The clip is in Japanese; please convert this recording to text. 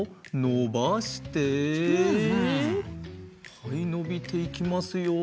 はいのびていきますよ。